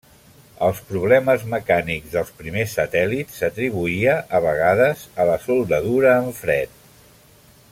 Els problemes mecànics dels primers satèl·lits s'atribuïa a vegades a la soldadura en fred.